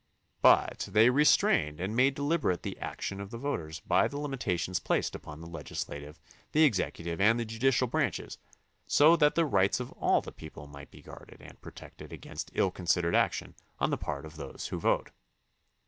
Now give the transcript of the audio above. But they restrained and made de liberate the action of the voters by the limitations placed upon the legislative, the executive, and the judicial branches, so that the rights of all the people might be guarded and protected against ill considered action on the part of those who vote.